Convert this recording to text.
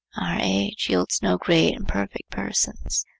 Our age yields no great and perfect persons.